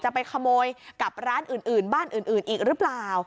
ไปขโมยกับร้านอื่นบ้านอื่นอีกหรือเปล่า